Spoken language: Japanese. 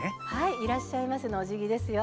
「いらっしゃいませ」のおじぎですよ。